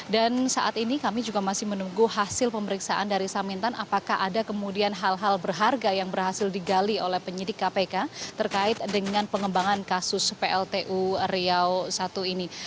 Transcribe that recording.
dan saat ini kami juga masih menunggu hasil pemeriksaan dari samintan apakah ada kemudian hal hal berharga yang berhasil digali oleh penyidik kpk terkait dengan pengembangan kasus pltu riau satu ini